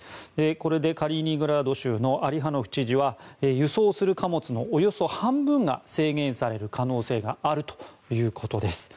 これでカリーニングラード州のアリハノフ知事は輸送する貨物のおよそ半分が制限される可能性があるということです。